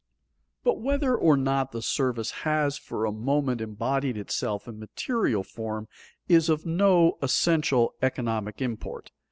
But whether or not the service has for a moment embodied itself in material form is of no essential economic import.